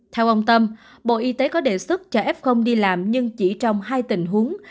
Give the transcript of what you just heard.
theo ông tâm bộ y tế có đề xuất cho f đi làm nhưng chỉ trong hai tình huống